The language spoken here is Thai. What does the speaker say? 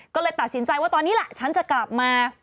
ก็เลยตัดสินใจว่าตอนนี้ล่ะฉันจะกลับมา